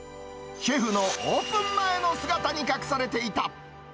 シェフのオープン前の姿に隠されていた。